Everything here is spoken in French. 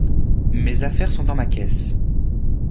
Mes affaires sont dans ma caisse.